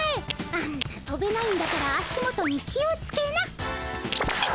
あんたとべないんだから足元に気をつけな。